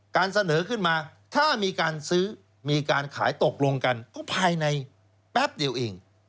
เสนอขึ้นมาถ้ามีการซื้อมีการขายตกลงกันก็ภายในแป๊บเดียวเอง